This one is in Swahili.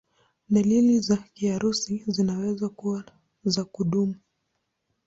Dalili za kiharusi zinaweza kuwa za kudumu.